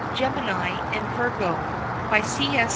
_) GEMINI AND VIRGO. C. S.